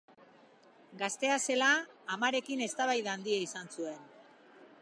Gaztea zela, amarekin eztabaida handia izan zuen.